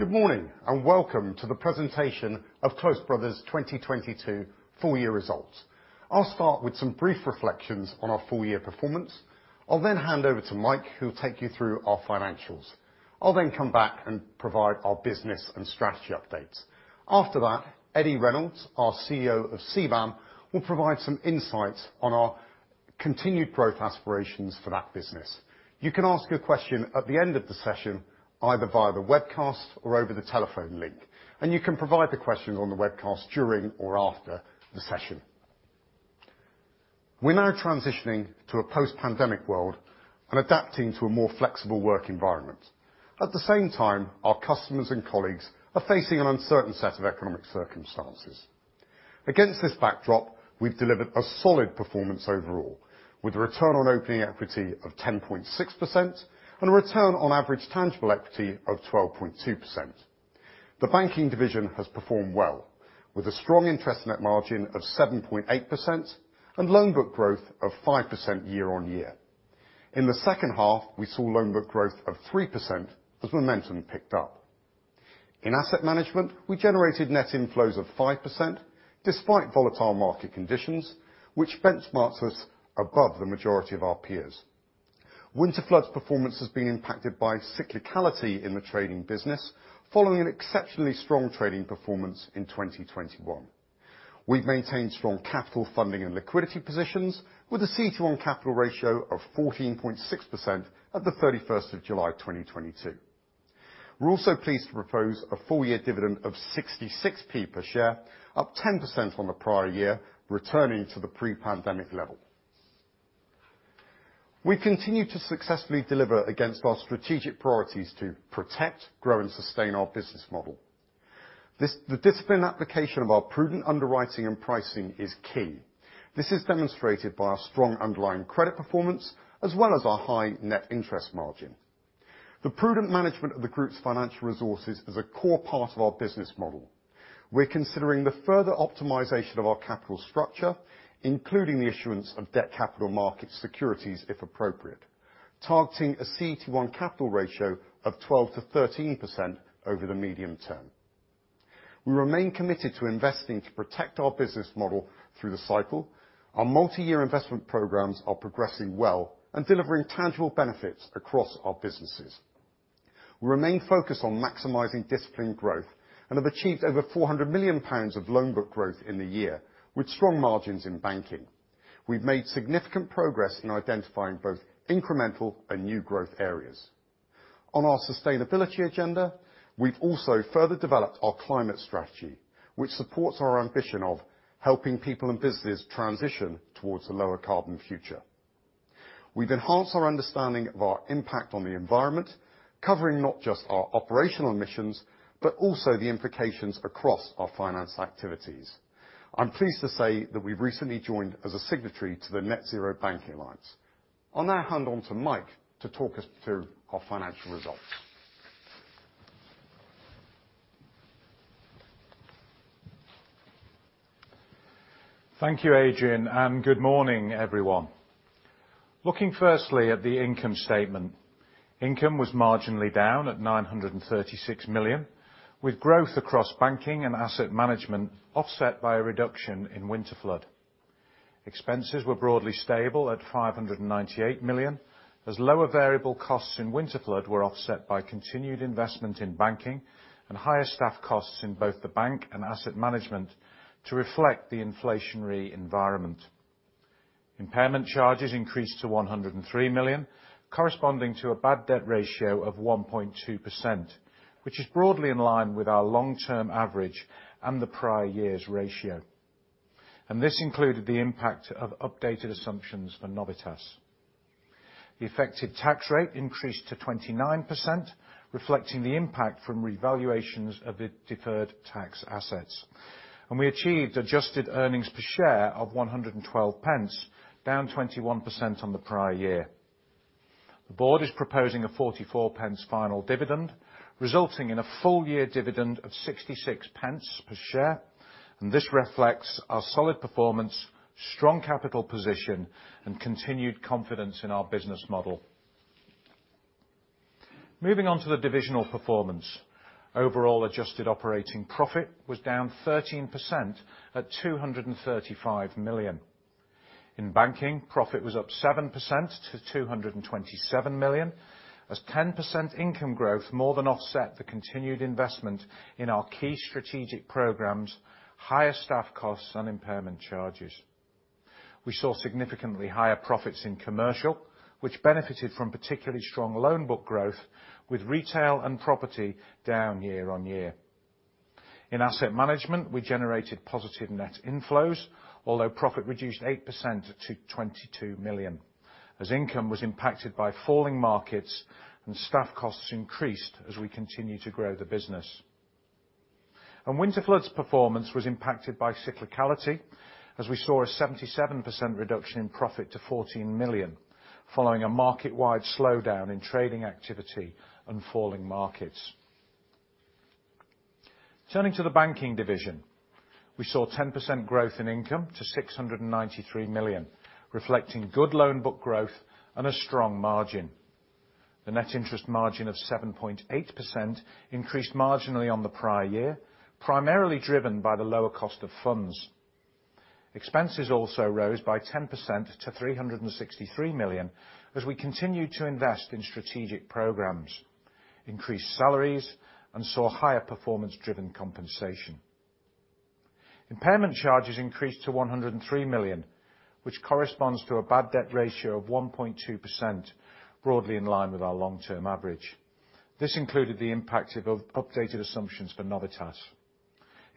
Good morning, and welcome to the presentation of Close Brothers' 2022 Full-Year Results. I'll start with some brief reflections on our full-year performance. I'll then hand over to Mike, who'll take you through our financials. I'll then come back and provide our business and strategy updates. After that, Eddy Reynolds, our CEO of CBAM, will provide some insights on our continued growth aspirations for that business. You can ask a question at the end of the session either via the webcast or over the telephone link, and you can provide the question on the webcast during or after the session. We're now transitioning to a post-pandemic world and adapting to a more flexible work environment. At the same time, our customers and colleagues are facing an uncertain set of economic circumstances. Against this backdrop, we've delivered a solid performance overall, with a return on opening equity of 10.6% and a return on average tangible equity of 12.2%. The banking division has performed well, with a strong interest in that margin of 7.8% and loan book growth of 5% year-on-year. In the second half, we saw loan book growth of 3% as momentum picked up. In asset management, we generated net inflows of 5% despite volatile market conditions, which benchmarks us above the majority of our peers. Winterflood's performance has been impacted by cyclicality in the trading business following an exceptionally strong trading performance in 2021. We've maintained strong capital funding and liquidity positions, with a CET1 capital ratio of 14.6% at July 31, 2022. We're also pleased to propose a full-year dividend of 0.66 per share, up 10% on the prior year, returning to the pre-pandemic level. We continue to successfully deliver against our strategic priorities to protect, grow, and sustain our business model. This, the disciplined application of our prudent underwriting and pricing is key. This is demonstrated by our strong underlying credit performance as well as our high net interest margin. The prudent management of the group's financial resources is a core part of our business model. We're considering the further optimization of our capital structure, including the issuance of debt capital market securities if appropriate, targeting a CET1 capital ratio of 12%-13% over the medium term. We remain committed to investing to protect our business model through the cycle. Our multi-year investment programs are progressing well and delivering tangible benefits across our businesses. We remain focused on maximizing disciplined growth and have achieved over 400 million pounds of loan book growth in the year, with strong margins in banking. We've made significant progress in identifying both incremental and new growth areas. On our sustainability agenda, we've also further developed our climate strategy, which supports our ambition of helping people and businesses transition towards a lower carbon future. We've enhanced our understanding of our impact on the environment, covering not just our operational emissions, but also the implications across our finance activities. I'm pleased to say that we've recently joined as a signatory to the Net-Zero Banking Alliance. I'll now hand over to Mike to talk us through our financial results. Thank you, Adrian, and good morning, everyone. Looking firstly at the income statement, income was marginally down at 936 million, with growth across banking and asset management offset by a reduction in Winterflood. Expenses were broadly stable at 598 million, as lower variable costs in Winterflood were offset by continued investment in banking and higher staff costs in both the bank and asset management to reflect the inflationary environment. Impairment charges increased to 103 million, corresponding to a bad debt ratio of 1.2%, which is broadly in line with our long-term average and the prior year's ratio. This included the impact of updated assumptions for Novitas. The effective tax rate increased to 29%, reflecting the impact from revaluations of the deferred tax assets. We achieved adjusted earnings per share of 1.12, down 21% on the prior year. The board is proposing a 0.44 final dividend, resulting in a full-year dividend of 0.66 per share, and this reflects our solid performance, strong capital position, and continued confidence in our business model. Moving on to the divisional performance. Overall adjusted operating profit was down 13% at 235 million. In banking, profit was up 7% to 227 million, as 10% income growth more than offset the continued investment in our key strategic programs, higher staff costs and impairment charges. We saw significantly higher profits in commercial, which benefited from particularly strong loan book growth, with retail and property down year on year. In asset management, we generated positive net inflows, although profit reduced 8% to 22 million, as income was impacted by falling markets and staff costs increased as we continue to grow the business. Winterflood's performance was impacted by cyclicality, as we saw a 77% reduction in profit to 14 million, following a market-wide slowdown in trading activity and falling markets. Turning to the banking division. We saw 10% growth in income to 693 million, reflecting good loan book growth and a strong margin. The net interest margin of 7.8% increased marginally on the prior year, primarily driven by the lower cost of funds. Expenses also rose by 10% to 363 million as we continued to invest in strategic programs, increase salaries, and saw higher performance driven compensation. Impairment charges increased to 103 million, which corresponds to a bad debt ratio of 1.2%, broadly in line with our long-term average. This included the impact of updated assumptions for Novitas.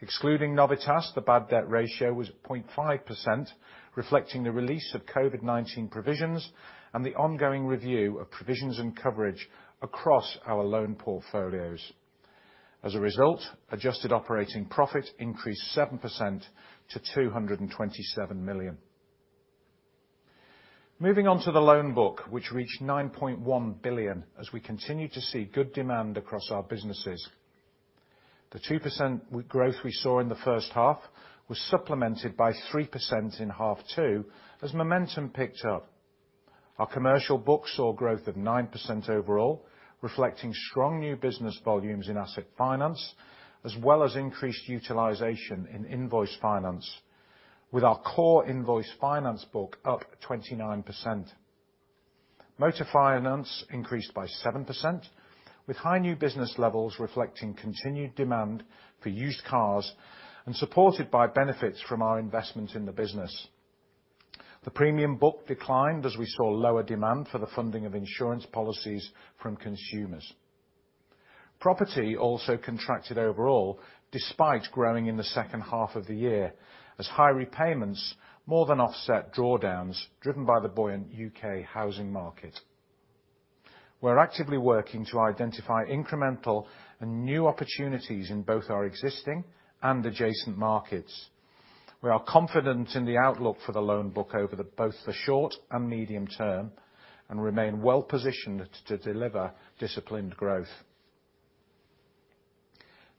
Excluding Novitas, the bad debt ratio was 0.5%, reflecting the release of COVID-19 provisions and the ongoing review of provisions and coverage across our loan portfolios. As a result, adjusted operating profit increased 7% to 227 million. Moving on to the loan book, which reached 9.1 billion, as we continue to see good demand across our businesses. The 2% growth we saw in the first half was supplemented by 3% in the second half as momentum picked up. Our commercial book saw growth of 9% overall, reflecting strong new business volumes in asset finance, as well as increased utilization in invoice finance. With our core invoice finance book up 29%. Motor finance increased by 7% with high new business levels reflecting continued demand for used cars and supported by benefits from our investment in the business. The premium book declined as we saw lower demand for the funding of insurance policies from consumers. Property also contracted overall despite growing in the second half of the year as high repayments more than offset drawdowns driven by the buoyant U.K. housing market. We're actively working to identify incremental and new opportunities in both our existing and adjacent markets. We are confident in the outlook for the loan book over both the short and medium term, and remain well-positioned to deliver disciplined growth.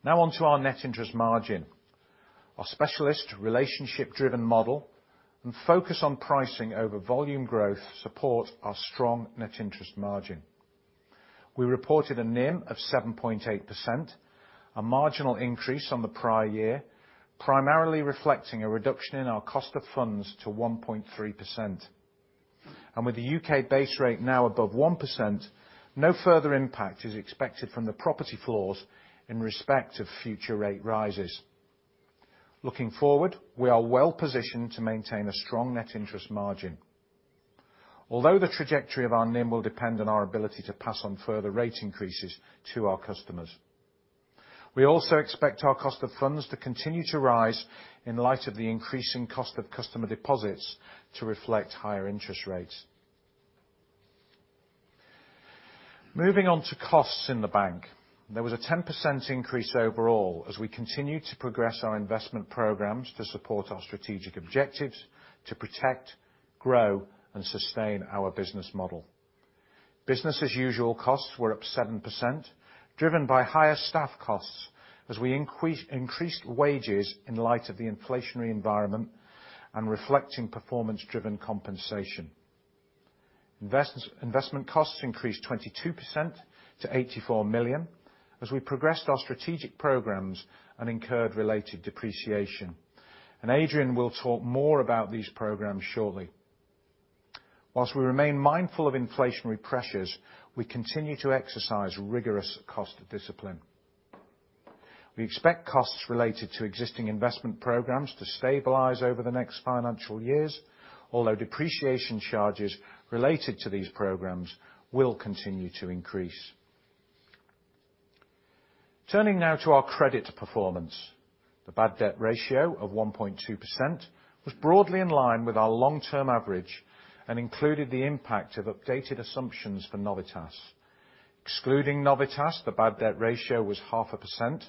Now on to our net interest margin. Our specialist relationship driven model and focus on pricing over volume growth support our strong net interest margin. We reported a NIM of 7.8%, a marginal increase on the prior year, primarily reflecting a reduction in our cost of funds to 1.3%. With the U.K. base rate now above 1%, no further impact is expected from the property floors in respect of future rate rises. Looking forward, we are well positioned to maintain a strong net interest margin. Although the trajectory of our NIM will depend on our ability to pass on further rate increases to our customers. We also expect our cost of funds to continue to rise in light of the increasing cost of customer deposits to reflect higher interest rates. Moving on to costs in the bank. There was a 10% increase overall as we continued to progress our investment programs to support our strategic objectives to protect, grow, and sustain our business model. Business as usual costs were up 7%, driven by higher staff costs as we increased wages in light of the inflationary environment and reflecting performance driven compensation. Investment costs increased 22% to 84 million as we progressed our strategic programs and incurred related depreciation. Adrian will talk more about these programs shortly. While we remain mindful of inflationary pressures, we continue to exercise rigorous cost discipline. We expect costs related to existing investment programs to stabilize over the next financial years, although depreciation charges related to these programs will continue to increase. Turning now to our credit performance. The bad debt ratio of 1.2% was broadly in line with our long-term average and included the impact of updated assumptions for Novitas. Excluding Novitas, the bad debt ratio was 0.5%,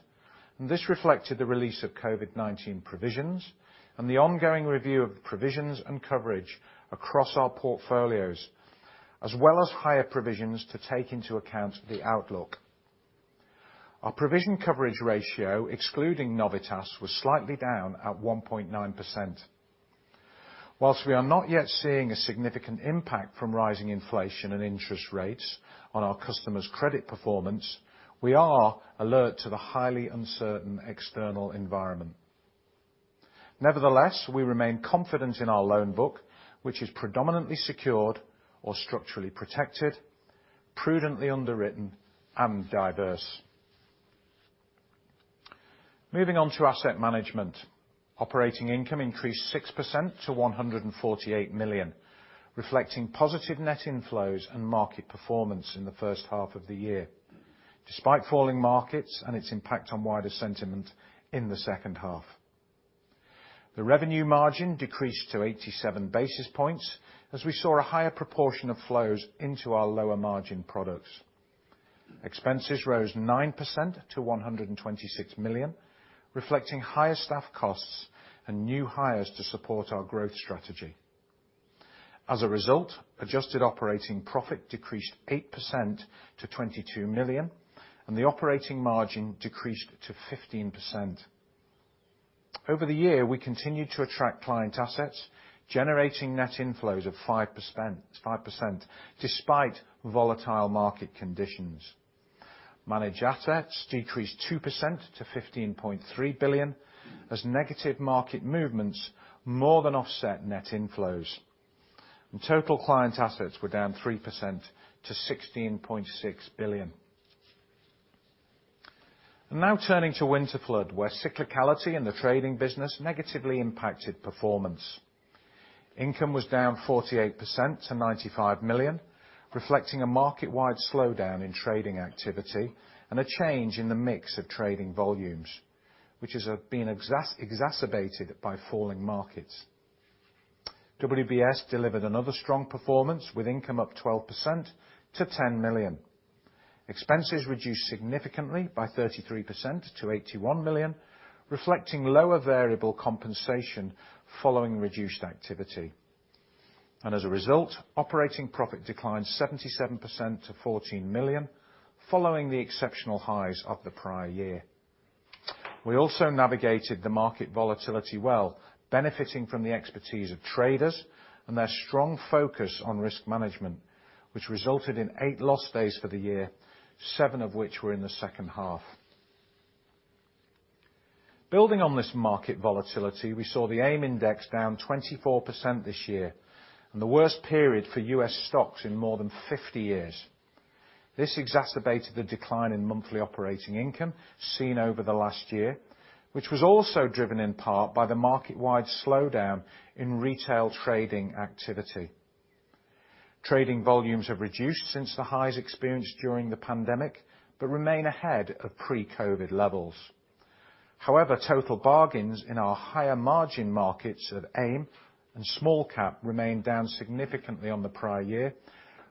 and this reflected the release of COVID-19 provisions and the ongoing review of provisions and coverage across our portfolios, as well as higher provisions to take into account the outlook. Our provision coverage ratio, excluding Novitas, was slightly down at 1.9%. While we are not yet seeing a significant impact from rising inflation and interest rates on our customers' credit performance, we are alert to the highly uncertain external environment. Nevertheless, we remain confident in our loan book, which is predominantly secured or structurally protected, prudently underwritten and diverse. Moving on to asset management. Operating income increased 6% to 148 million, reflecting positive net inflows and market performance in the first half of the year, despite falling markets and its impact on wider sentiment in the second half. The revenue margin decreased to 87 basis points as we saw a higher proportion of flows into our lower margin products. Expenses rose 9% to 126 million, reflecting higher staff costs and new hires to support our growth strategy. As a result, adjusted operating profit decreased 8% to 22 million, and the operating margin decreased to 15%. Over the year, we continued to attract client assets, generating net inflows of 5%, 5% despite volatile market conditions. Managed assets decreased 2% to 15.3 billion as negative market movements more than offset net inflows. Total client assets were down 3% to 16.6 billion. I'm now turning to Winterflood, where cyclicality in the trading business negatively impacted performance. Income was down 48% to 95 million, reflecting a market-wide slowdown in trading activity and a change in the mix of trading volumes, which has been exacerbated by falling markets. WBS delivered another strong performance with income up 12% to 10 million. Expenses reduced significantly by 33% to 81 million, reflecting lower variable compensation following reduced activity. As a result, operating profit declined 77% to 14 million following the exceptional highs of the prior year. We also navigated the market volatility well, benefiting from the expertise of traders and their strong focus on risk management, which resulted in eight loss days for the year, seven of which were in the second half. Building on this market volatility, we saw the AIM index down 24% this year and the worst period for U.S. stocks in more than 50 years. This exacerbated the decline in monthly operating income seen over the last year, which was also driven in part by the market-wide slowdown in retail trading activity. Trading volumes have reduced since the highs experienced during the pandemic but remain ahead of pre-COVID levels. However, total bargains in our higher margin markets of AIM and small cap remained down significantly on the prior year,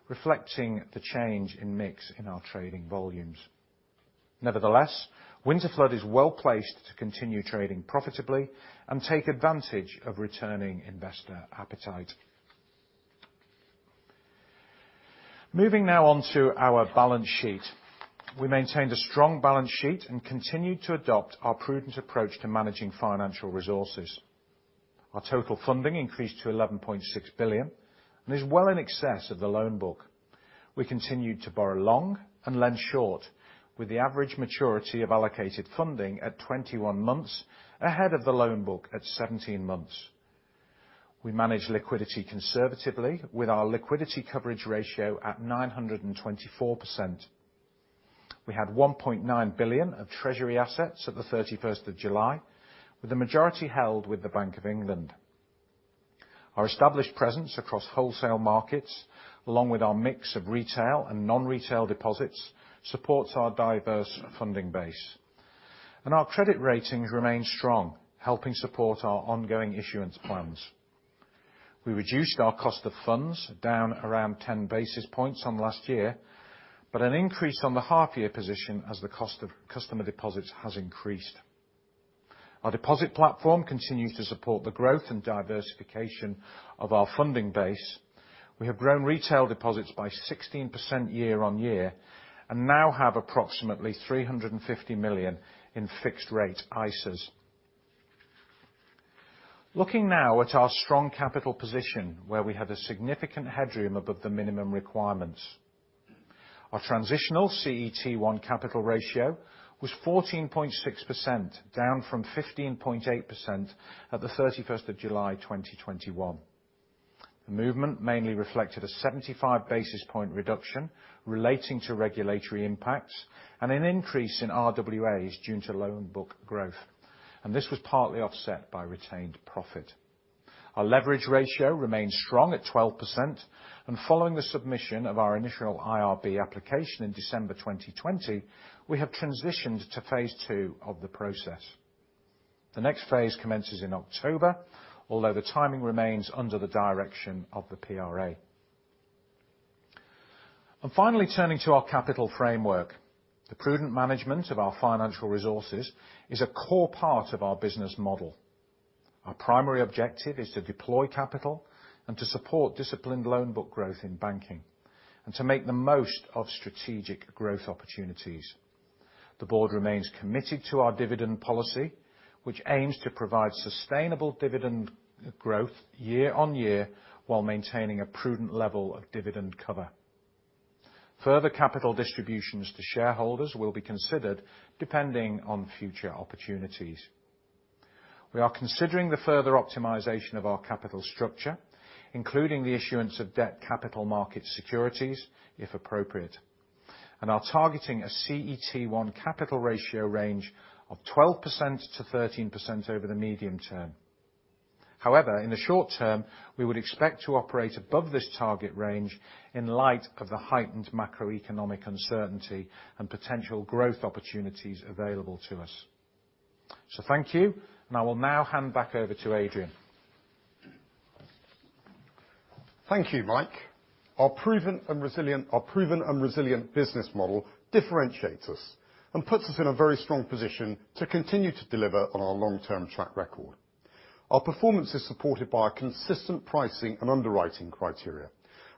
reflecting the change in mix in our trading volumes. Nevertheless, Winterflood is well placed to continue trading profitably and take advantage of returning investor appetite. Moving now on to our balance sheet. We maintained a strong balance sheet and continued to adopt our prudent approach to managing financial resources. Our total funding increased to 11.6 billion and is well in excess of the loan book. We continued to borrow long and lend short, with the average maturity of allocated funding at 21 months ahead of the loan book at 17 months. We manage liquidity conservatively with our liquidity coverage ratio at 924%. We had 1.9 billion of treasury assets at the 31st of July, with the majority held with the Bank of England. Our established presence across wholesale markets, along with our mix of retail and non-retail deposits, supports our diverse funding base. Our credit ratings remain strong, helping support our ongoing issuance plans. We reduced our cost of funds down around 10 basis points on last year, but an increase on the half year position as the cost of customer deposits has increased. Our deposit platform continues to support the growth and diversification of our funding base. We have grown retail deposits by 16% year-on-year and now have approximately 350 million in fixed rate ISAs. Looking now at our strong capital position where we have a significant headroom above the minimum requirements. Our transitional CET1 capital ratio was 14.6%, down from 15.8% at July 31, 2021. The movement mainly reflected a 75 basis point reduction relating to regulatory impacts and an increase in RWAs due to loan book growth, and this was partly offset by retained profit. Our leverage ratio remains strong at 12%, and following the submission of our initial IRB application in December 2020, we have transitioned to phase two of the process. The next phase commences in October, although the timing remains under the direction of the PRA. Finally, turning to our capital framework. The prudent management of our financial resources is a core part of our business model. Our primary objective is to deploy capital and to support disciplined loan book growth in banking and to make the most of strategic growth opportunities. The board remains committed to our dividend policy, which aims to provide sustainable dividend growth year on year while maintaining a prudent level of dividend cover. Further capital distributions to shareholders will be considered depending on future opportunities. We are considering the further optimization of our capital structure, including the issuance of debt capital market securities if appropriate, and are targeting a CET1 capital ratio range of 12%-13% over the medium term. However, in the short term, we would expect to operate above this target range in light of the heightened macroeconomic uncertainty and potential growth opportunities available to us. Thank you, and I will now hand back over to Adrian. Thank you, Mike. Our proven and resilient business model differentiates us and puts us in a very strong position to continue to deliver on our long-term track record. Our performance is supported by our consistent pricing and underwriting criteria,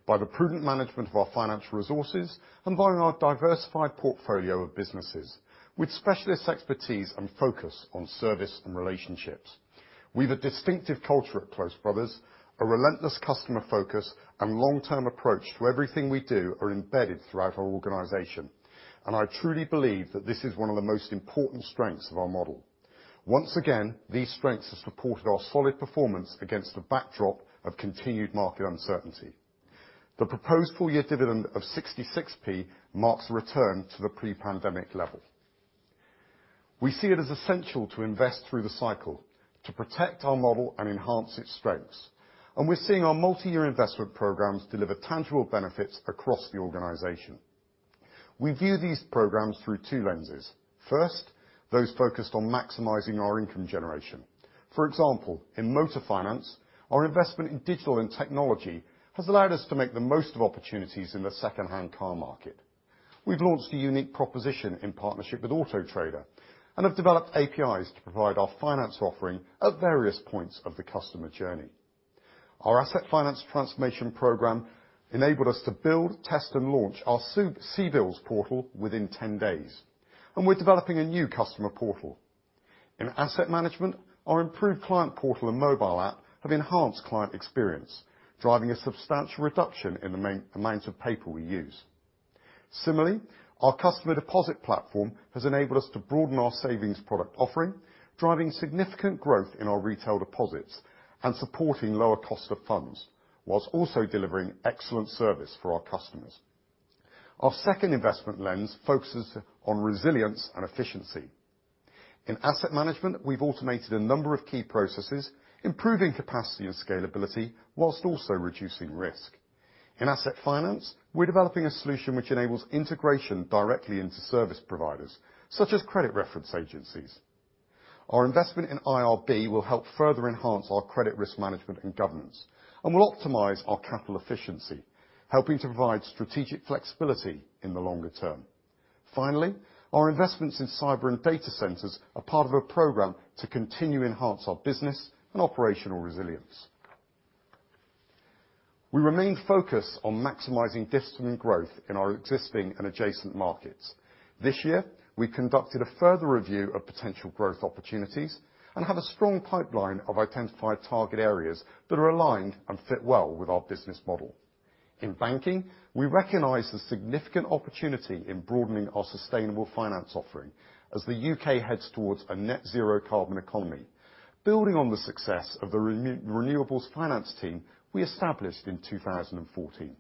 by the prudent management of our financial resources, and by our diversified portfolio of businesses with specialist expertise and focus on service and relationships. We've a distinctive culture at Close Brothers, a relentless customer focus, and long-term approach to everything we do are embedded throughout our organization. I truly believe that this is one of the most important strengths of our model. Once again, these strengths have supported our solid performance against a backdrop of continued market uncertainty. The proposed full-year dividend of 66p marks a return to the pre-pandemic level. We see it as essential to invest through the cycle to protect our model and enhance its strengths, and we're seeing our multi-year investment programs deliver tangible benefits across the organization. We view these programs through two lenses. First, those focused on maximizing our income generation. For example, in motor finance, our investment in digital and technology has allowed us to make the most of opportunities in the secondhand car market. We've launched a unique proposition in partnership with Auto Trader and have developed APIs to provide our finance offering at various points of the customer journey. Our asset finance transformation program enabled us to build, test, and launch our CBILS portal within 10 days, and we're developing a new customer portal. In asset management, our improved client portal and mobile app have enhanced client experience, driving a substantial reduction in the amount of paper we use. Similarly, our customer deposit platform has enabled us to broaden our savings product offering, driving significant growth in our retail deposits and supporting lower cost of funds, while also delivering excellent service for our customers. Our second investment lens focuses on resilience and efficiency. In asset management, we've automated a number of key processes, improving capacity and scalability while also reducing risk. In asset finance, we're developing a solution which enables integration directly into service providers, such as credit reference agencies. Our investment in IRB will help further enhance our credit risk management and governance and will optimize our capital efficiency, helping to provide strategic flexibility in the longer term. Finally, our investments in cyber and data centers are part of a program to continue to enhance our business and operational resilience. We remain focused on maximizing disciplined growth in our existing and adjacent markets. This year, we conducted a further review of potential growth opportunities and have a strong pipeline of identified target areas that are aligned and fit well with our business model. In banking, we recognize the significant opportunity in broadening our sustainable finance offering as the UK heads towards a net zero carbon economy, building on the success of the renewables finance team we established in 2014.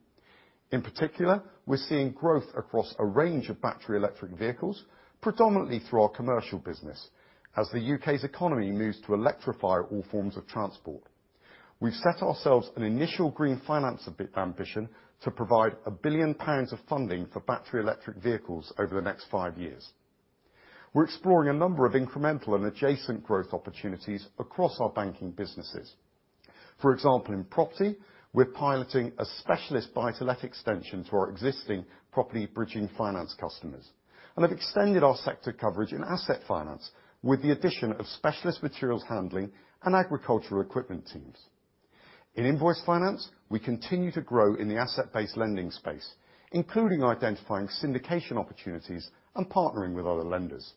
In particular, we're seeing growth across a range of battery electric vehicles, predominantly through our commercial business as the U.K.'s economy moves to electrify all forms of transport. We've set ourselves an initial green finance ambition to provide 1 billion pounds of funding for battery electric vehicles over the next 5 years. We're exploring a number of incremental and adjacent growth opportunities across our banking businesses. For example, in property, we're piloting a specialist buy-to-let extension to our existing property bridging finance customers and have extended our sector coverage in asset finance with the addition of specialist materials handling and agricultural equipment teams. In invoice finance, we continue to grow in the asset-based lending space, including identifying syndication opportunities and partnering with other lenders.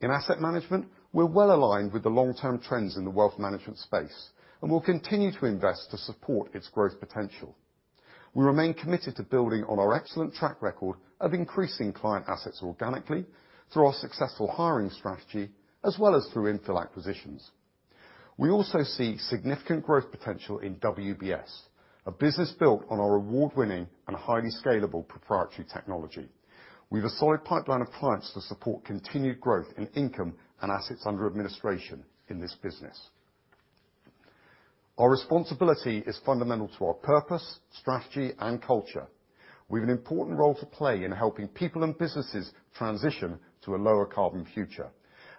In asset management, we're well aligned with the long-term trends in the wealth management space and will continue to invest to support its growth potential. We remain committed to building on our excellent track record of increasing client assets organically through our successful hiring strategy, as well as through infill acquisitions. We also see significant growth potential in WBS, a business built on our award-winning and highly scalable proprietary technology. We've a solid pipeline of clients to support continued growth in income and assets under administration in this business. Our responsibility is fundamental to our purpose, strategy, and culture. We have an important role to play in helping people and businesses transition to a lower carbon future,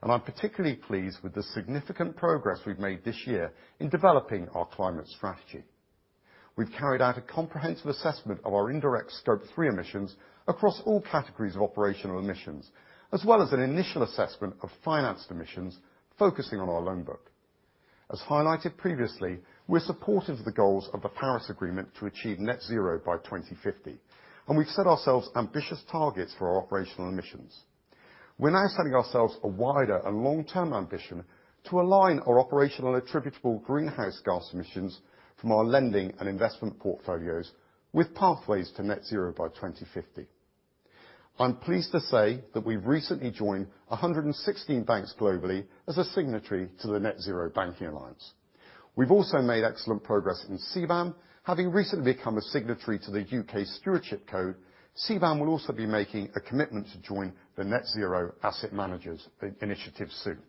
and I'm particularly pleased with the significant progress we've made this year in developing our climate strategy. We've carried out a comprehensive assessment of our indirect Scope 3 emissions across all categories of operational emissions, as well as an initial assessment of financed emissions focusing on our loan book. As highlighted previously, we're supportive of the goals of the Paris Agreement to achieve net zero by 2050, and we've set ourselves ambitious targets for our operational emissions. We're now setting ourselves a wider and long-term ambition to align our operational attributable greenhouse gas emissions from our lending and investment portfolios with pathways to net zero by 2050. I'm pleased to say that we've recently joined 116 banks globally as a signatory to the Net Zero Banking Alliance. We've also made excellent progress in CBAM. Having recently become a signatory to the U.K. Stewardship Code, CBAM will also be making a commitment to join the Net Zero Asset Managers initiative soon.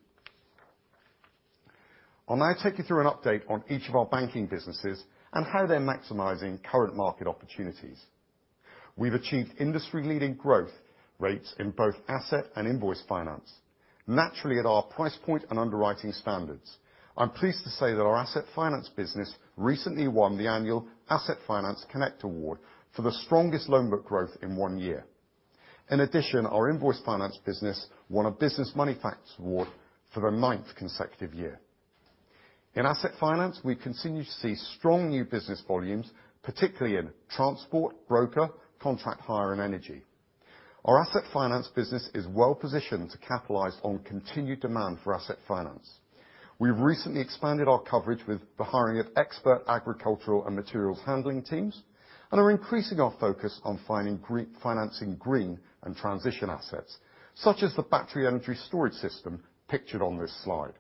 I'll now take you through an update on each of our banking businesses and how they're maximizing current market opportunities. We've achieved industry-leading growth rates in both asset and invoice finance, naturally at our price point and underwriting standards. I'm pleased to say that our asset finance business recently won the annual Asset Finance Connect award for the strongest loan book growth in one year. In addition, our invoice finance business won a Business Moneyfacts award for the ninth consecutive year. In asset finance, we continue to see strong new business volumes, particularly in transport, broker, contract hire, and energy. Our asset finance business is well positioned to capitalize on continued demand for asset finance. We've recently expanded our coverage with the hiring of expert agricultural and materials handling teams, and are increasing our focus on financing green and transition assets, such as the battery energy storage system pictured on this slide.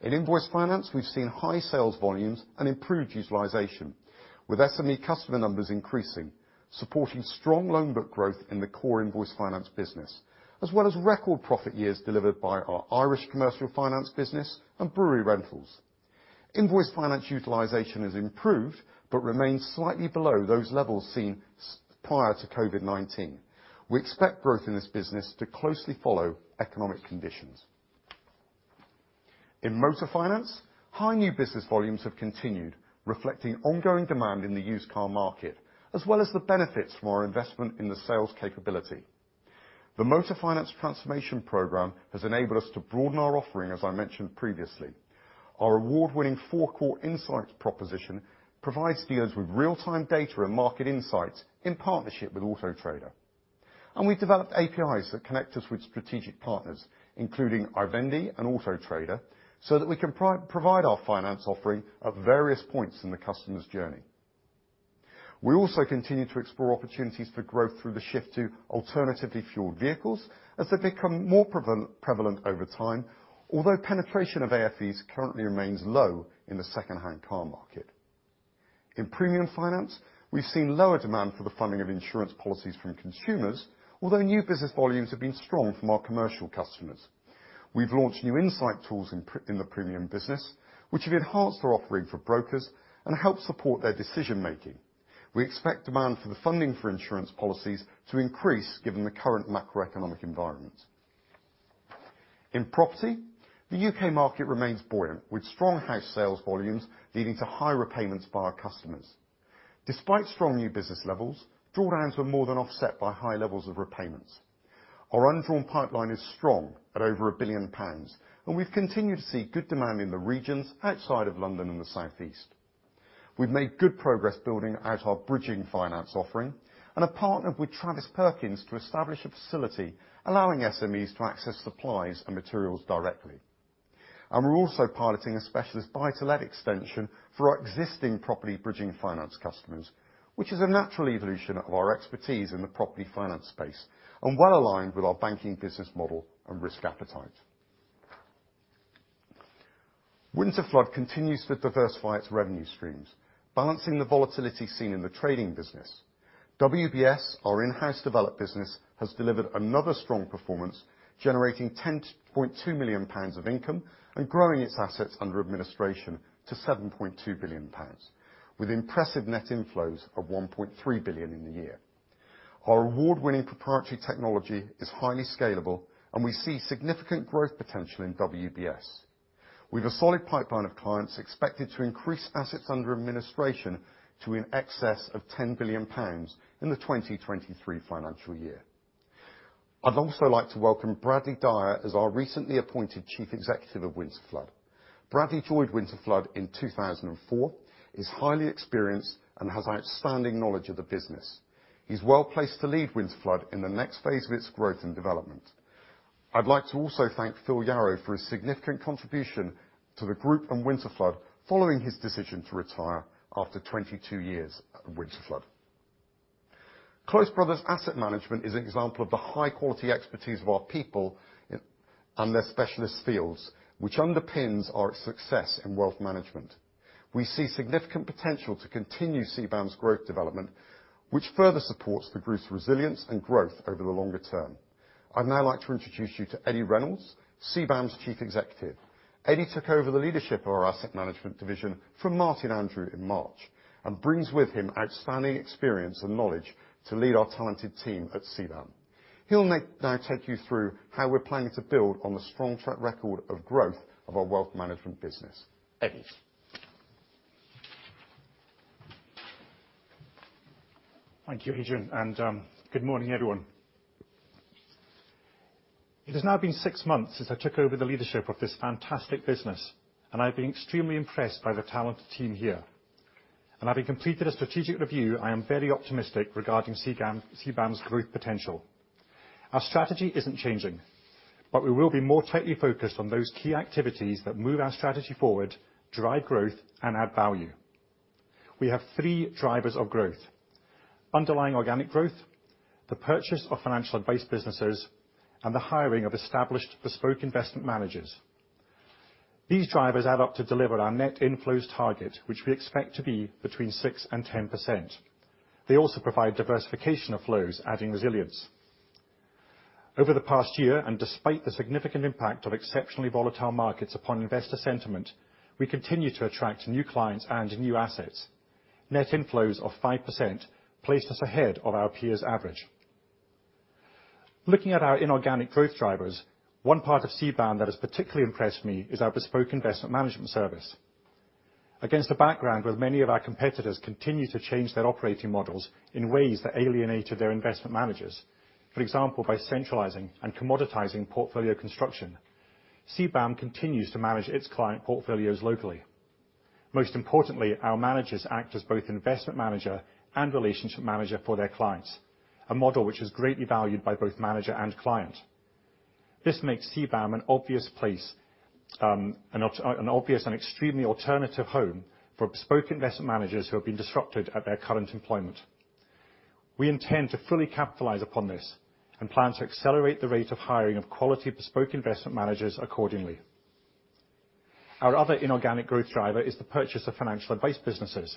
In invoice finance, we've seen high sales volumes and improved utilization, with SME customer numbers increasing, supporting strong loan book growth in the core invoice finance business, as well as record profit years delivered by our Irish commercial finance business and Brewery Rentals. Invoice finance utilization has improved, but remains slightly below those levels seen prior to COVID-19. We expect growth in this business to closely follow economic conditions. In motor finance, high new business volumes have continued, reflecting ongoing demand in the used car market, as well as the benefits from our investment in the sales capability. The motor finance transformation program has enabled us to broaden our offering, as I mentioned previously. Our award-winning Forecourt Insights proposition provides dealers with real-time data and market insights in partnership with Auto Trader. We've developed APIs that connect us with strategic partners, including iVendi and Auto Trader, so that we can provide our finance offering at various points in the customer's journey. We also continue to explore opportunities for growth through the shift to alternatively fueled vehicles as they become more prevalent over time, although penetration of AFVs currently remains low in the secondhand car market. In premium finance, we've seen lower demand for the funding of insurance policies from consumers, although new business volumes have been strong from our commercial customers. We've launched new insight tools in the premium business, which have enhanced our offering for brokers and help support their decision-making. We expect demand for the funding for insurance policies to increase given the current macroeconomic environment. In property, the U.K. market remains buoyant, with strong house sales volumes leading to high repayments by our customers. Despite strong new business levels, drawdowns were more than offset by high levels of repayments. Our undrawn pipeline is strong, at over 1 billion pounds, and we've continued to see good demand in the regions outside of London and the Southeast. We've made good progress building out our bridging finance offering and have partnered with Travis Perkins to establish a facility allowing SMEs to access supplies and materials directly. We're also piloting a specialist buy-to-let extension for our existing property bridging finance customers, which is a natural evolution of our expertise in the property finance space and well-aligned with our banking business model and risk appetite. Winterflood continues to diversify its revenue streams, balancing the volatility seen in the trading business. WBS, our in-house developed business, has delivered another strong performance, generating 10.2 million pounds of income and growing its assets under administration to 7.2 billion pounds, with impressive net inflows of 1.3 billion in the year. Our award-winning proprietary technology is highly scalable, and we see significant growth potential in WBS. We've a solid pipeline of clients expected to increase assets under administration to in excess of 10 billion pounds in the 2023 financial year. I'd also like to welcome Bradley Dyer as our recently appointed Chief Executive of Winterflood. Bradley joined Winterflood in 2004, is highly experienced, and has outstanding knowledge of the business. He's well placed to lead Winterflood in the next phase of its growth and development. I'd like to also thank Philip Yarrow for his significant contribution to the group and Winterflood following his decision to retire after 22 years at Winterflood. Close Brothers Asset Management is an example of the high-quality expertise of our people in and their specialist fields, which underpins our success in wealth management. We see significant potential to continue CBAM's growth development, which further supports the group's resilience and growth over the longer term. I'd now like to introduce you to Eddy Reynolds, CBAM's Chief Executive. Eddy took over the leadership of our asset management division from Martin Andrew in March, and brings with him outstanding experience and knowledge to lead our talented team at CBAM. He'll now take you through how we're planning to build on the strong track record of growth of our wealth management business. Eddy? Thank you, Adrian, and good morning, everyone. It has now been six months since I took over the leadership of this fantastic business, and I've been extremely impressed by the talented team here. Having completed a strategic review, I am very optimistic regarding CBAM's growth potential. Our strategy isn't changing, but we will be more tightly focused on those key activities that move our strategy forward, drive growth, and add value. We have three drivers of growth. Underlying organic growth, the purchase of financial advice businesses, and the hiring of established bespoke investment managers. These drivers add up to deliver our net inflows target, which we expect to be between 6% and 10%. They also provide diversification of flows, adding resilience. Over the past year, and despite the significant impact of exceptionally volatile markets upon investor sentiment, we continue to attract new clients and new assets. Net inflows of 5% placed us ahead of our peers' average. Looking at our inorganic growth drivers, one part of CBAM that has particularly impressed me is our bespoke investment management service. Against a background where many of our competitors continue to change their operating models in ways that alienated their investment managers, for example, by centralizing and commoditizing portfolio construction, CBAM continues to manage its client portfolios locally. Most importantly, our managers act as both investment manager and relationship manager for their clients, a model which is greatly valued by both manager and client. This makes CBAM an obvious place, an obvious and extremely alternative home for bespoke investment managers who have been disrupted at their current employment. We intend to fully capitalize upon this, and plan to accelerate the rate of hiring of quality bespoke investment managers accordingly. Our other inorganic growth driver is the purchase of financial advice businesses,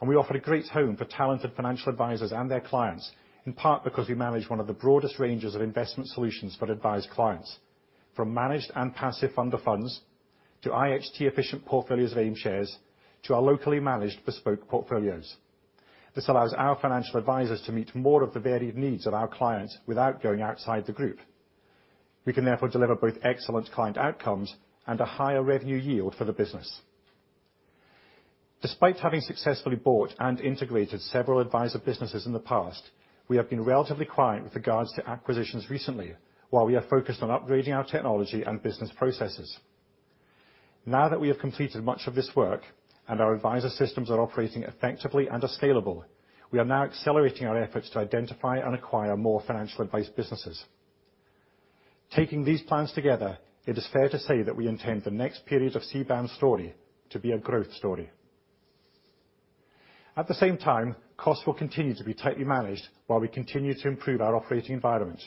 and we offer a great home for talented financial advisors and their clients, in part because we manage one of the broadest ranges of investment solutions for advised clients, from managed and passive under funds to IHT efficient portfolios of AIM shares to our locally managed bespoke portfolios. This allows our financial advisors to meet more of the varied needs of our clients without going outside the group. We can therefore deliver both excellent client outcomes and a higher revenue yield for the business. Despite having successfully bought and integrated several advisor businesses in the past, we have been relatively quiet with regards to acquisitions recently while we are focused on upgrading our technology and business processes. Now that we have completed much of this work and our advisor systems are operating effectively and are scalable, we are now accelerating our efforts to identify and acquire more financial advice businesses. Taking these plans together, it is fair to say that we intend the next period of CBAM's story to be a growth story. At the same time, costs will continue to be tightly managed while we continue to improve our operating environment.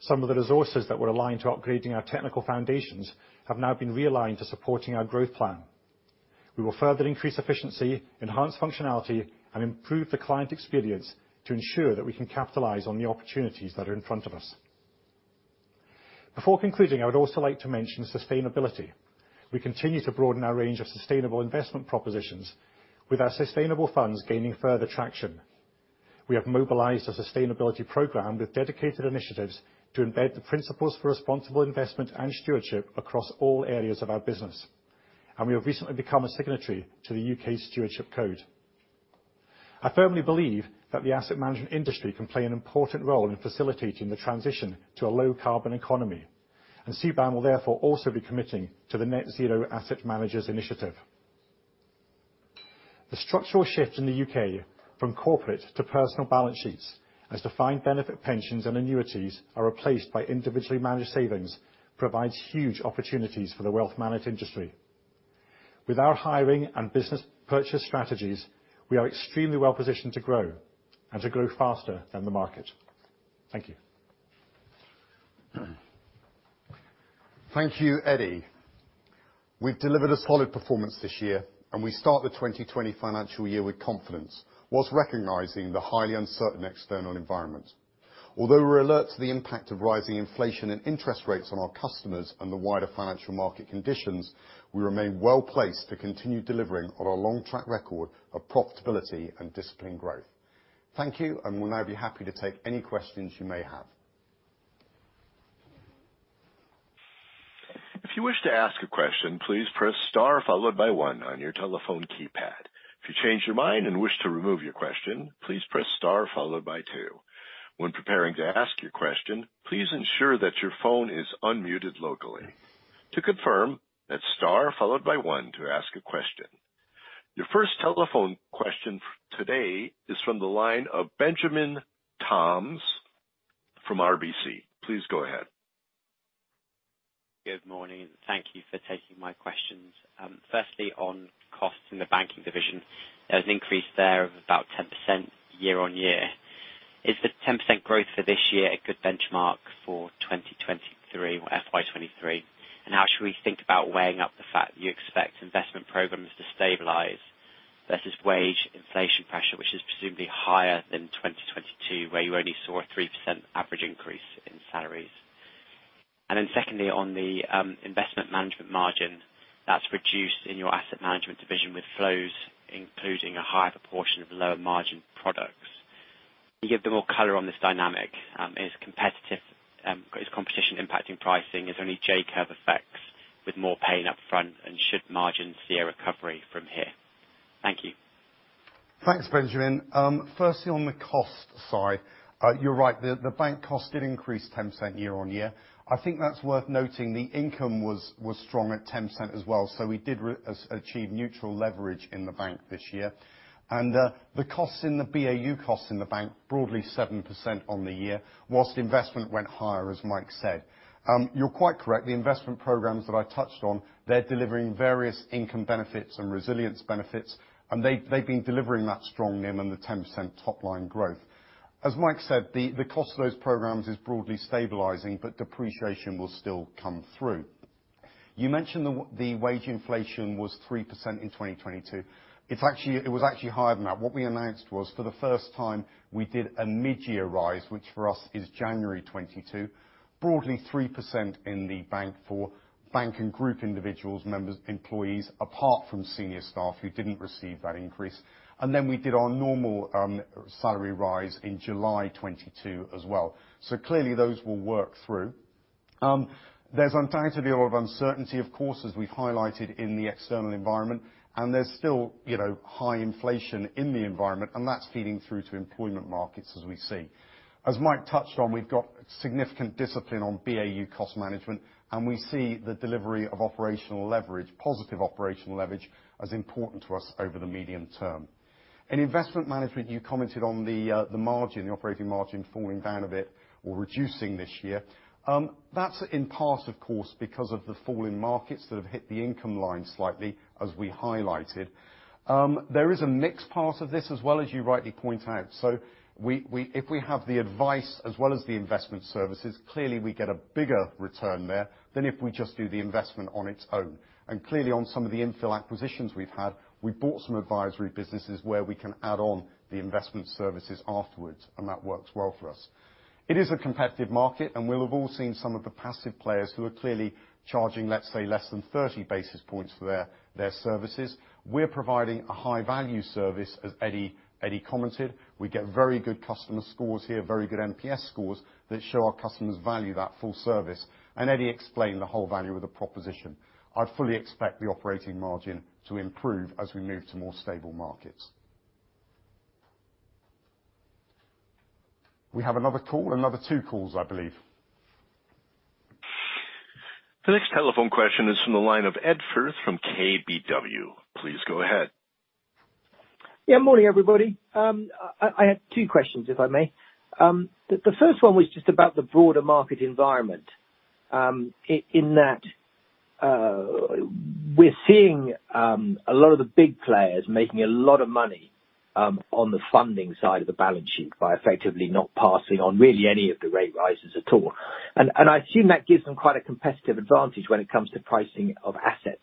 Some of the resources that were aligned to upgrading our technical foundations have now been realigned to supporting our growth plan. We will further increase efficiency, enhance functionality, and improve the client experience to ensure that we can capitalize on the opportunities that are in front of us. Before concluding, I would also like to mention sustainability. We continue to broaden our range of sustainable investment propositions with our sustainable funds gaining further traction. We have mobilized a sustainability program with dedicated initiatives to embed the principles for responsible investment and stewardship across all areas of our business, and we have recently become a signatory to the U.K. Stewardship Code. I firmly believe that the asset management industry can play an important role in facilitating the transition to a low carbon economy, and CBAM will therefore also be committing to the Net Zero Asset Managers initiative. The structural shift in the U.K. from corporate to personal balance sheets as defined benefit pensions and annuities are replaced by individually managed savings provides huge opportunities for the wealth management industry. With our hiring and business purchase strategies, we are extremely well positioned to grow, and to grow faster than the market. Thank you. Thank you, Eddy. We've delivered a solid performance this year, and we start the 2020 financial year with confidence, whilst recognizing the highly uncertain external environment. Although we're alert to the impact of rising inflation and interest rates on our customers and the wider financial market conditions, we remain well-placed to continue delivering on our long track record of profitability and disciplined growth. Thank you, and we'll now be happy to take any questions you may have. If you wish to ask a question, please press star followed by one on your telephone keypad. If you change your mind and wish to remove your question, please press star followed by two. When preparing to ask your question, please ensure that your phone is unmuted locally. To confirm, that's star followed by one to ask a question. Your first telephone question today is from the line of Benjamin Toms from RBC. Please go ahead. Good morning, and thank you for taking my questions. First, on costs in the banking division. There was an increase there of about 10% year-on-year. Is the 10% growth for this year a good benchmark for 2023, or FY 2023? How should we think about weighing up the fact you expect investment programs to stabilize versus wage inflation pressure, which is presumably higher than 2022, where you only saw a 3% average increase in salaries? Secondly, on the investment management margin that's reduced in your asset management division with flows, including a higher proportion of lower margin products. Can you give a bit more color on this dynamic? Is competition impacting pricing? Is there any J-curve effects with more pain up front, and should margins see a recovery from here? Thank you. Thanks, Benjamin. First, on the cost side, you're right. The bank cost did increase 10% year-over-year. I think that's worth noting the income was strong at 10% as well. We did achieve neutral leverage in the bank this year. The BAU costs in the bank, broadly 7% year-over-year, while investment went higher, as Mike said. You're quite correct. The investment programs that I touched on, they're delivering various income benefits and resilience benefits, and they've been delivering that strongly among the 10% top line growth. As Mike said, the cost of those programs is broadly stabilizing, but depreciation will still come through. You mentioned the wage inflation was 3% in 2022. It was actually higher than that. What we announced was, for the first time, we did a mid-year rise, which for us is January 2022. Broadly 3% in the bank for bank and group individuals, members, employees, apart from senior staff who didn't receive that increase. We did our normal salary rise in July 2022 as well. Clearly those will work through. There's undoubtedly a lot of uncertainty, of course, as we've highlighted in the external environment, and there's still, you know, high inflation in the environment, and that's feeding through to employment markets as we see. As Mike touched on, we've got significant discipline on BAU cost management, and we see the delivery of operational leverage, positive operational leverage, as important to us over the medium term. In investment management, you commented on the margin, the operating margin falling down a bit or reducing this year. That's in part of course because of the fall in markets that have hit the income line slightly as we highlighted. There is a mixed part of this as well as you rightly point out. If we have the advice as well as the investment services, clearly we get a bigger return there than if we just do the investment on its own. Clearly on some of the infill acquisitions we've had, we bought some advisory businesses where we can add on the investment services afterwards, and that works well for us. It is a competitive market, and we'll have all seen some of the passive players who are clearly charging, let's say, less than 30 basis points for their services. We're providing a high value service, as Eddy commented. We get very good customer scores here, very good NPS scores that show our customers value that full service. Eddy explained the whole value of the proposition. I fully expect the operating margin to improve as we move to more stable markets. We have another call. Another two calls, I believe. The next telephone question is from the line of Ed Firth from KBW. Please go ahead. Yeah. Morning, everybody. I have two questions, if I may. The first one was just about the broader market environment. In that, we're seeing a lot of the big players making a lot of money on the funding side of the balance sheet by effectively not passing on really any of the rate rises at all. I assume that gives them quite a competitive advantage when it comes to pricing of assets.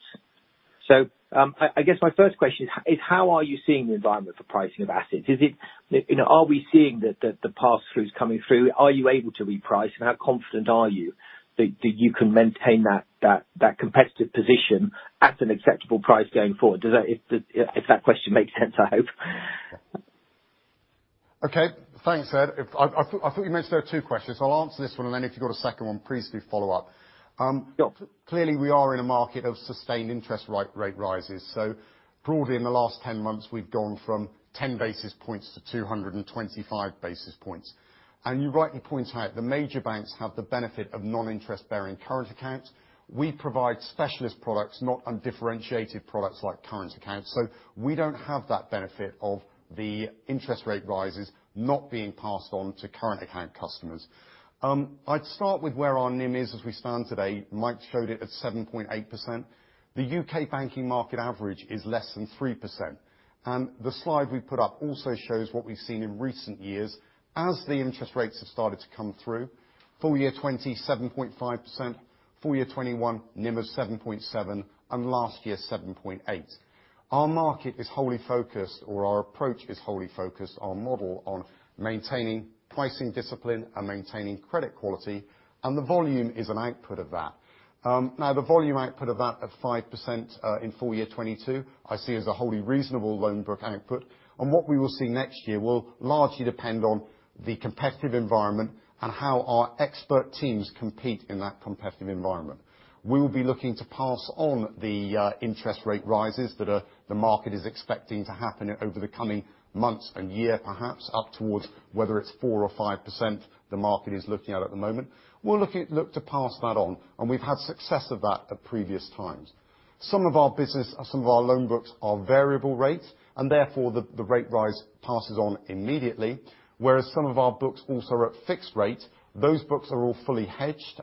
I guess my first question is how are you seeing the environment for pricing of assets? You know, are we seeing the pass-throughs coming through? Are you able to reprice? And how confident are you that you can maintain that competitive position at an acceptable price going forward? Does that? If that question makes sense, I hope. Okay. Thanks, Ed. I thought you mentioned there were two questions. I'll answer this one, and then if you got a second one, please do follow up. Sure. Clearly we are in a market of sustained interest rate rises. Broadly in the last 10 months we've gone from 10 basis points to 225 basis points. You rightly point out the major banks have the benefit of non-interest bearing current accounts. We provide specialist products, not undifferentiated products like current accounts, so we don't have that benefit of the interest rate rises not being passed on to current account customers. I'd start with where our NIM is as we stand today. Mike showed it at 7.8%. The U.K. banking market average is less than 3%. The slide we put up also shows what we've seen in recent years as the interest rates have started to come through. Full year 2020, 7.5%, full year 2021, NIM of 7.7, and last year, 7.8. Our market is wholly focused, or our approach is wholly focused, our model on maintaining pricing discipline and maintaining credit quality, and the volume is an output of that. Now the volume output of that at 5%, in full year 2022, I see as a wholly reasonable loan book output. What we will see next year will largely depend on the competitive environment and how our expert teams compete in that competitive environment. We will be looking to pass on the interest rate rises that are the market is expecting to happen over the coming months and year, perhaps up towards whether it's 4% or 5% the market is looking at the moment. We'll look at. Look to pass that on, and we've had success of that at previous times. Some of our business or some of our loan books are variable rate, and therefore, the rate rise passes on immediately, whereas some of our books also are at fixed rate. Those books are all fully hedged,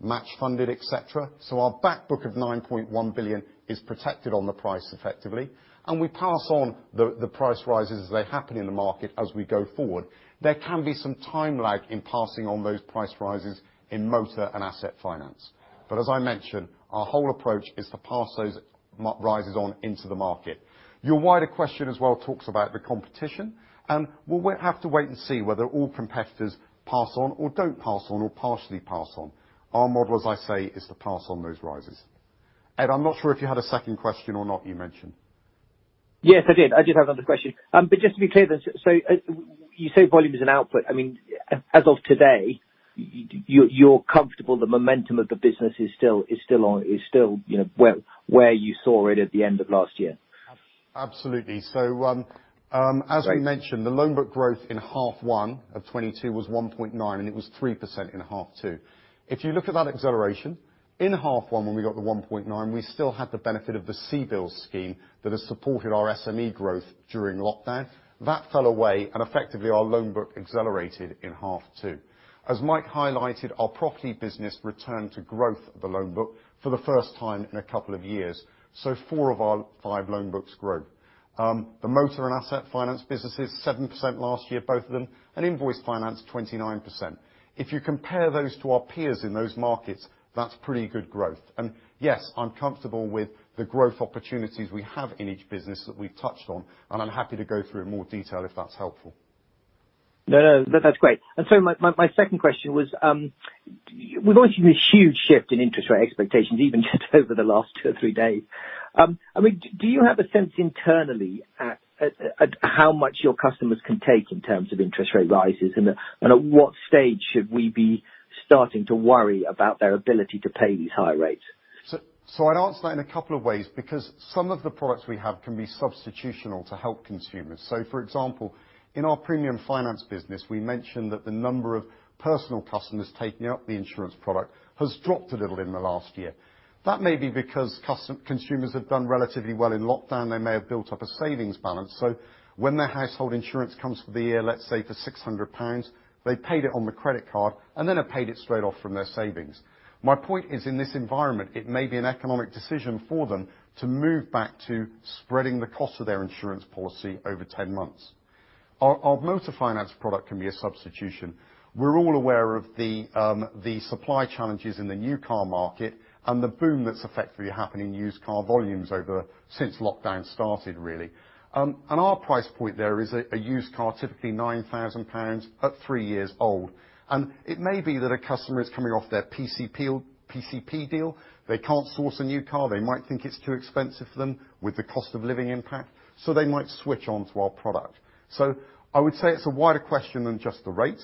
match funded, et cetera. Our back book of 9.1 billion is protected on the price effectively, and we pass on the price rises as they happen in the market as we go forward. There can be some time lag in passing on those price rises in motor and asset finance. As I mentioned, our whole approach is to pass those rises on into the market. Your wider question as well talks about the competition, and we'll have to wait and see whether all competitors pass on or don't pass on or partially pass on. Our model, as I say, is to pass on those rises. Ed, I'm not sure if you had a second question or not, you mentioned. Yes, I did. I did have another question. Just to be clear then, you say volume is an output. I mean, as of today, you're comfortable the momentum of the business is still on, you know, where you saw it at the end of last year? Absolutely. As we mentioned, the loan book growth in half one of 2022 was 1.9%, and it was 3% in half two. If you look at that acceleration, in half one when we got the 1.9%, we still had the benefit of the CBILS scheme that has supported our SME growth during lockdown. That fell away and effectively our loan book accelerated in half two. As Mike highlighted, our property business returned to growth of the loan book for the first time in a couple of years, so four of our five loan books grow. The motor and asset finance business is 7% last year, both of them, and invoice finance, 29%. If you compare those to our peers in those markets, that's pretty good growth. Yes, I'm comfortable with the growth opportunities we have in each business that we've touched on, and I'm happy to go through in more detail if that's helpful. No, no, that's great. My second question was, we've all seen this huge shift in interest rate expectations even just over the last two or three days. I mean, do you have a sense internally at how much your customers can take in terms of interest rate rises, and at what stage should we be starting to worry about their ability to pay these higher rates? I'd answer that in a couple of ways because some of the products we have can be substitutable to help consumers. For example, in our premium finance business, we mentioned that the number of personal customers taking up the insurance product has dropped a little in the last year. That may be because consumers have done relatively well in lockdown. They may have built up a savings balance. When their household insurance comes for the year, let's say for 600 pounds, they paid it on the credit card and then have paid it straight off from their savings. My point is, in this environment, it may be an economic decision for them to move back to spreading the cost of their insurance policy over 10 months. Our motor finance product can be a substitute. We're all aware of the supply challenges in the new car market and the boom that's effectively happening in used car volumes over since lockdown started really. Our price point there is a used car, typically 9,000 pounds at three years old. It may be that a customer is coming off their PCP deal. They can't source a new car. They might think it's too expensive for them with the cost of living impact, so they might switch on to our product. I would say it's a wider question than just the rate.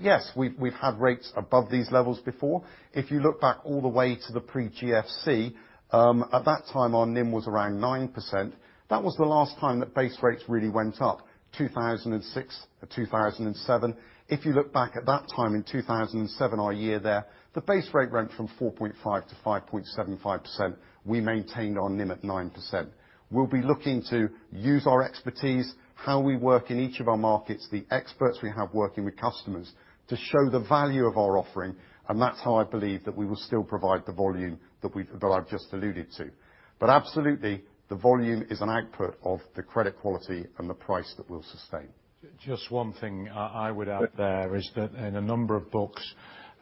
Yes, we've had rates above these levels before. If you look back all the way to the pre-GFC, at that time, our NIM was around 9%. That was the last time that base rates really went up, 2006, 2007. If you look back at that time in 2007, our year there, the base rate went from 4.5 to 5.75%. We maintained our NIM at 9%. We'll be looking to use our expertise, how we work in each of our markets, the experts we have working with customers to show the value of our offering, and that's how I believe that we will still provide the volume that we've, that I've just alluded to. Absolutely, the volume is an output of the credit quality and the price that we'll sustain. Just one thing I would add there is that in a number of books,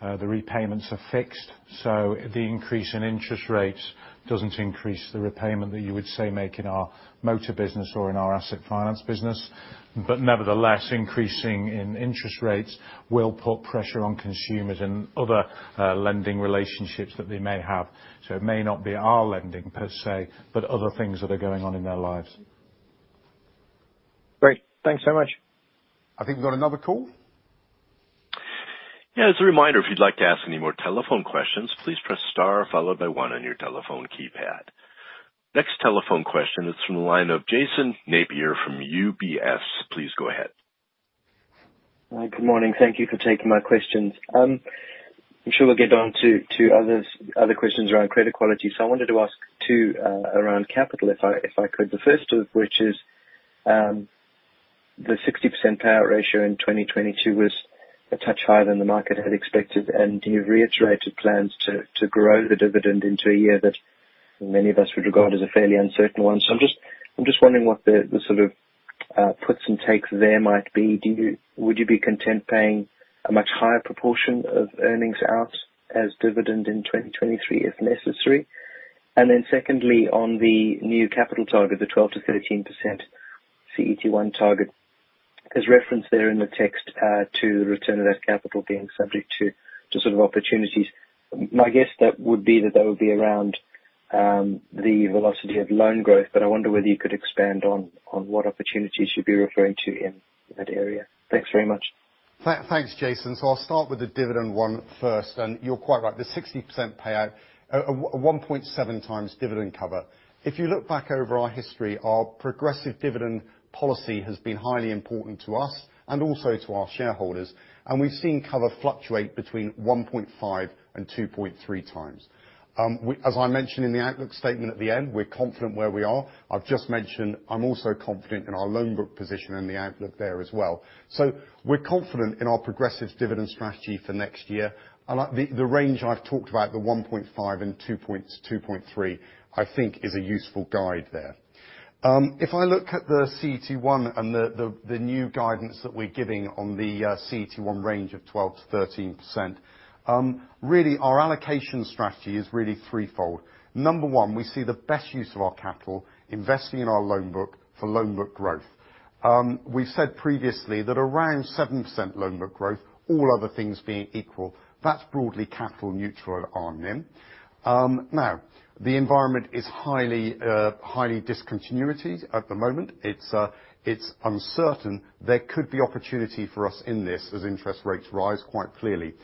the repayments are fixed, so the increase in interest rates doesn't increase the repayment that you would, say, make in our motor business or in our asset finance business. But nevertheless, increase in interest rates will put pressure on consumers in other, lending relationships that they may have. It may not be our lending per se, but other things that are going on in their lives. Great. Thanks so much. I think we've got another call. Yeah. As a reminder, if you'd like to ask any more telephone questions, please press star followed by one on your telephone keypad. Next telephone question is from the line of Jason Napier from UBS. Please go ahead. Hi. Good morning. Thank you for taking my questions. I'm sure we'll get on to other questions around credit quality. I wanted to ask two around capital if I could. The first of which is the 60% payout ratio in 2022 was a touch higher than the market had expected, and you've reiterated plans to grow the dividend into a year that many of us would regard as a fairly uncertain one. I'm just wondering what the sort of puts and takes there might be. Would you be content paying a much higher proportion of earnings out as dividend in 2023 if necessary? And then secondly, on the new capital target, the 12%-13% CET1 target. There's reference there in the text to return on that capital being subject to sort of opportunities. My guess that would be around the velocity of loan growth, but I wonder whether you could expand on what opportunities you'd be referring to in that area. Thanks very much. Thanks, Jason. I'll start with the dividend one first, and you're quite right. The 60% payout, of a 1.7 times dividend cover. If you look back over our history, our progressive dividend policy has been highly important to us and also to our shareholders. We've seen cover fluctuate between 1.5 and 2.3 times. As I mentioned in the outlook statement at the end, we're confident where we are. I've just mentioned I'm also confident in our loan book position and the outlook there as well. We're confident in our progressive dividend strategy for next year. I like the range I've talked about, the 1.5 and 2.3, I think is a useful guide there. If I look at the CET1 and the new guidance that we're giving on the CET1 range of 12%-13%, really, our allocation strategy is really threefold. Number one, we see the best use of our capital investing in our loan book for loan book growth. We've said previously that around 7% loan book growth, all other things being equal, that's broadly capital neutral on NIM. Now, the environment is highly discontinuous at the moment. It's uncertain. There could be opportunity for us in this as interest rates rise quite clearly.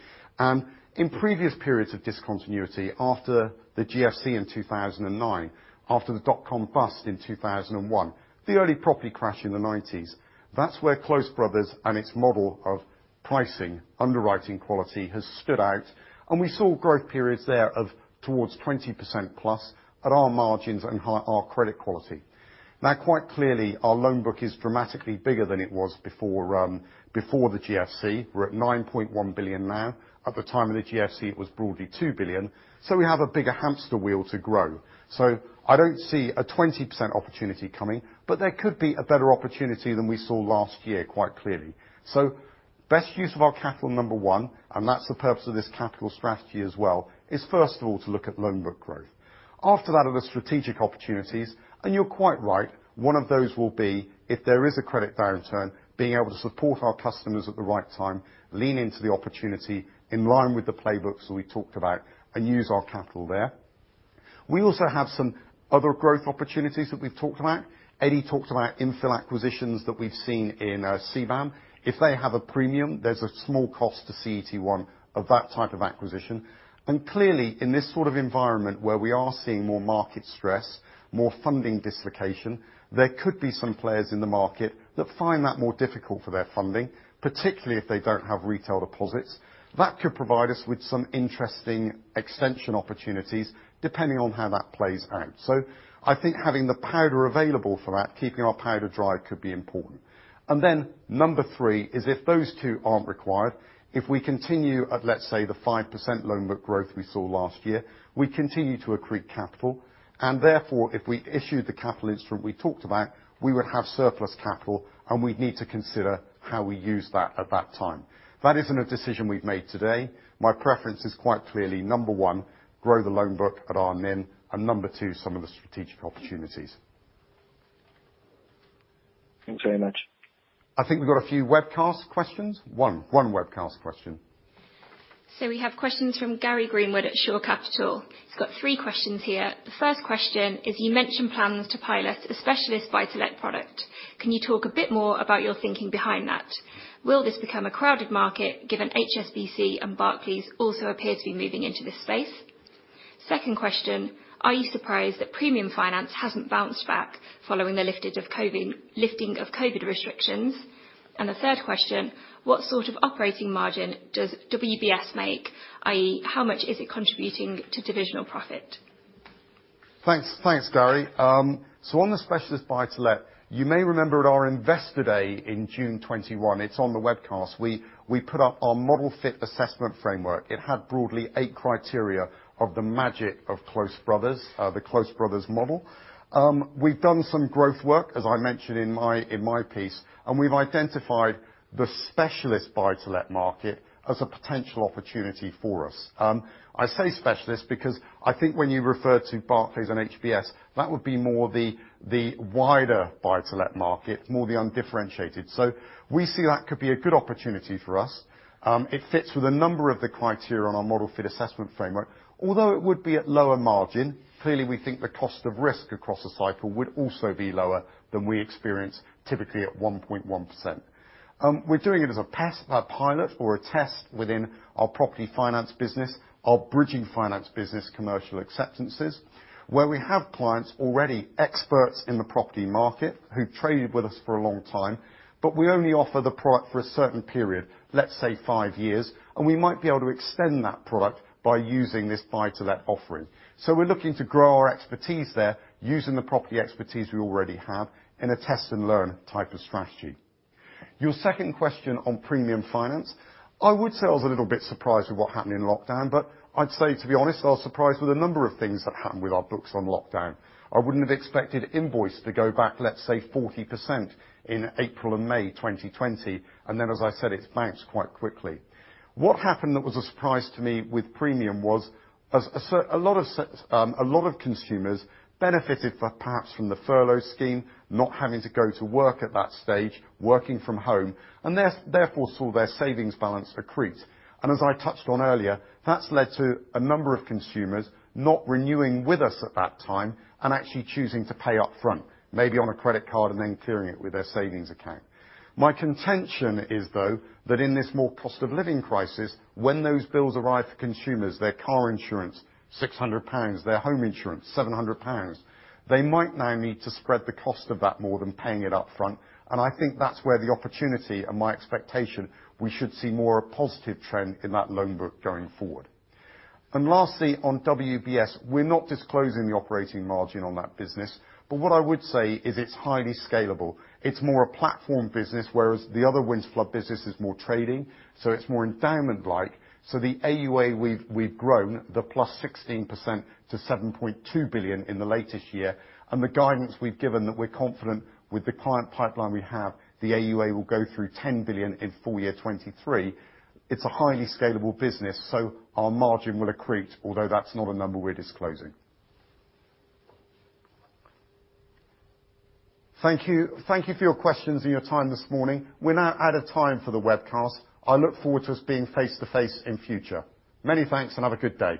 In previous periods of discontinuity, after the GFC in 2009, after the dotcom bust in 2001, the early property crash in the 1990s, that's where Close Brothers and its model of pricing, underwriting quality has stood out, and we saw growth periods there of towards 20%+ at our margins and high, our credit quality. Now, quite clearly, our loan book is dramatically bigger than it was before the GFC. We're at 9.1 billion now. At the time of the GFC, it was broadly 2 billion. We have a bigger hamster wheel to grow. I don't see a 20% opportunity coming, but there could be a better opportunity than we saw last year quite clearly. Best use of our capital, number one, and that's the purpose of this capital strategy as well, is first of all, to look at loan book growth. After that are the strategic opportunities, and you're quite right, one of those will be if there is a credit downturn, being able to support our customers at the right time, lean into the opportunity in line with the playbooks that we talked about, and use our capital there. We also have some other growth opportunities that we've talked about. Eddy talked about infill acquisitions that we've seen in CBAM. If they have a premium, there's a small cost to CET1 of that type of acquisition. Clearly, in this sort of environment where we are seeing more market stress, more funding dislocation, there could be some players in the market that find that more difficult for their funding, particularly if they don't have retail deposits. That could provide us with some interesting extension opportunities depending on how that plays out. I think having the powder available for that, keeping our powder dry could be important. Then number three is if those two aren't required, if we continue at, let's say, the 5% loan book growth we saw last year, we continue to accrete capital, and therefore, if we issued the capital instrument we talked about, we would have surplus capital, and we'd need to consider how we use that at that time. That isn't a decision we've made today. My preference is quite clearly, number one, grow the loan book at RMIN, and number two, some of the strategic opportunities. Thanks very much. I think we've got a few webcast questions. One webcast question. We have questions from Gary Greenwood at Shore Capital. He's got three questions here. The first question is, you mentioned plans to pilot a specialist buy-to-let product. Can you talk a bit more about your thinking behind that? Will this become a crowded market given HSBC and Barclays also appear to be moving into this space? Second question, are you surprised that premium finance hasn't bounced back following the lifting of COVID restrictions? And the third question, what sort of operating margin does WBS make, i.e., how much is it contributing to divisional profit? Thanks. Thanks, Gary. On the specialist buy-to-let, you may remember at our investor day in June 2021, it's on the webcast, we put up our model fit assessment framework. It had broadly eight criteria of the magic of Close Brothers, the Close Brothers model. We've done some growth work, as I mentioned in my piece, and we've identified the specialist buy-to-let market as a potential opportunity for us. I say specialist because I think when you refer to Barclays and HSBC, that would be more the wider buy-to-let market, more the undifferentiated. We see that could be a good opportunity for us. It fits with a number of the criteria on our model fit assessment framework. Although it would be at lower margin, clearly, we think the cost of risk across the cycle would also be lower than we experience typically at 1.1%. We're doing it as a test, a pilot or a test within our property finance business, our bridging finance business, Commercial Acceptances, where we have clients already experts in the property market who've traded with us for a long time, but we only offer the product for a certain period, let's say 5 years, and we might be able to extend that product by using this buy-to-let offering. We're looking to grow our expertise there using the property expertise we already have in a test and learn type of strategy. Your second question on premium finance, I would say I was a little bit surprised with what happened in lockdown, but I'd say to be honest, I was surprised with a number of things that happened with our books on lockdown. I wouldn't have expected income to go back, let's say 40% in April and May 2020. As I said, it's bounced quite quickly. What happened that was a surprise to me with premium was a lot of consumers benefited perhaps from the furlough scheme, not having to go to work at that stage, working from home, and therefore saw their savings balance accrete. As I touched on earlier, that's led to a number of consumers not renewing with us at that time and actually choosing to pay up front, maybe on a credit card and then clearing it with their savings account. My contention is, though, that in this more cost of living crisis, when those bills arrive for consumers, their car insurance, 600 pounds, their home insurance, 700 pounds, they might now need to spread the cost of that more than paying it up front. I think that's where the opportunity and my expectation, we should see more a positive trend in that loan book going forward. Lastly, on WBS, we're not disclosing the operating margin on that business, but what I would say is it's highly scalable. It's more a platform business, whereas the other Winterflood business is more trading, so it's more endowment like. The AUA we've grown +16% to 7.2 billion in the latest year. The guidance we've given that we're confident with the client pipeline we have, the AUA will go through 10 billion in full year 2023. It's a highly scalable business, so our margin will accrete, although that's not a number we're disclosing. Thank you. Thank you for your questions and your time this morning. We're now out of time for the webcast. I look forward to us being face to face in future. Many thanks and have a good day.